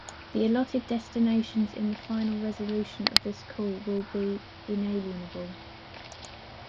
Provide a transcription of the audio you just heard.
The allotted destinations in the final resolution of this call will be inalienable.